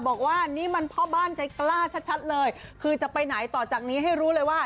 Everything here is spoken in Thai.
บอกว่านี่มันพ่อบ้านใจกล้าชัดเลยคือจะไปไหนต่อจากนี้ให้รู้เลยว่า